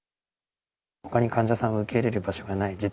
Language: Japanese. ほかに患者さんを受け入れる場所がない。